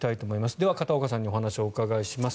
では、片岡さんにお話をお伺いします。